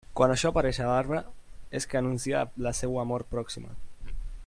Quan això apareix a l'arbre, és que anuncia la seua mort pròxima.